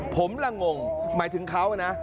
ผมละงงหมายถึงเขานะ